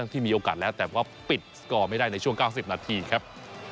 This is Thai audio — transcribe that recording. ที่มีโอกาสแล้วแต่ว่าปิดสกอร์ไม่ได้ในช่วง๙๐นาทีครับ